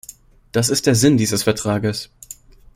Das ist der Sinn dieses Vertrages!